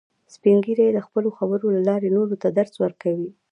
سپین ږیری د خپلو خبرو له لارې نورو ته درس ورکوي